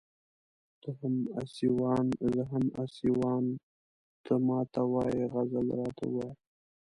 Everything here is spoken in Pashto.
ته هم اسيوان زه هم اسيوان ته ما ته وايې غزل راته ووايه